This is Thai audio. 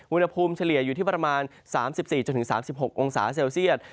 เฉลี่ยอยู่ที่ประมาณ๓๔๓๖องศาเซลเซียต